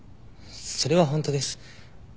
それは本当です。